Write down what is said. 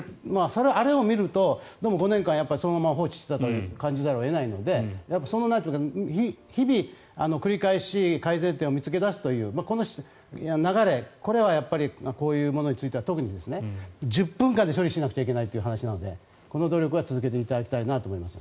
あれを見るとどうも５年間そのまま放置していたと感じざるを得ないので日々、繰り返し改善点を見つけ出すというこの流れこういうものについては特に、１０分間で処理しなくちゃいけないという話なのでこの努力は続けていただきたいなと思います。